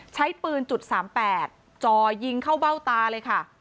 ใช้ปืนจุด๓๘จ่อยิงเข้าเบ้าตาเลยค่ะ